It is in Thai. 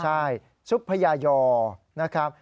ใช่ซุปพญายอนะครับ